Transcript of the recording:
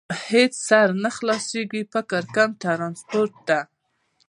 هېڅ سر نه خلاصېږي، فکر کوم، ترانسپورټ ته.